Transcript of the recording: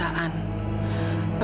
apakah itu sungguhan